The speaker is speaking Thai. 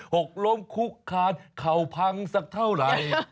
หกล้มคุกคานเข่าพังสักเท่าไหร่